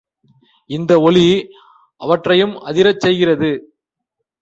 இந்த ஒலி அவற்றையும் அதிரச் செய்கிறது.